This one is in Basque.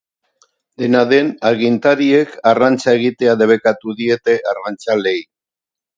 Dena den, agintariek arrantza egitea debekatu diete arrantzaleei.